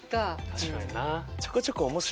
確かになあ。